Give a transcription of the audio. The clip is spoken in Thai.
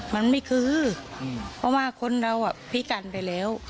มันไม่คือเพราะว่าคนเราพิการไปแล้ว